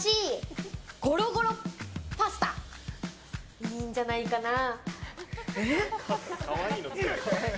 いいんじゃないかなあ。